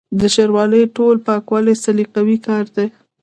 د شاروالۍ تورې پاکول سلیقوي کار دی.